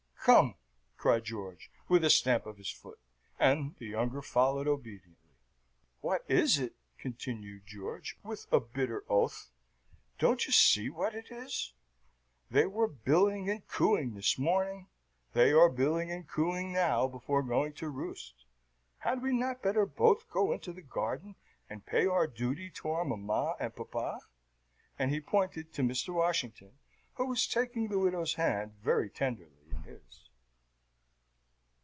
"Come," cried George, with a stamp of his foot, and the younger followed obediently. "What is it?" continued George, with a bitter oath. "Don't you see what it is? They were billing and cooing this morning; they are billing and cooing now before going to roost. Had we not better both go into the garden, and pay our duty to our mamma and papa?" and he pointed to Mr. Washington, who was taking the widow's hand very tenderly in his.